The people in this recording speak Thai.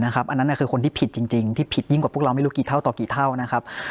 อันนั้นคือคนที่ผิดจริงที่ผิดยิ่งกว่าพวกเราไม่รู้กี่เท่าต่อกี่เท่านะครับ